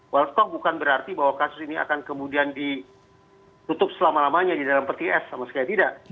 walau toh bukan berarti bahwa kasus ini akan kemudian ditutup selama lamanya di dalam peti es sama sekali tidak